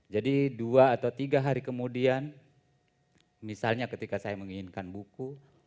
jadi dua atau tiga hari kemudian misalnya ketika saya menginginkan buku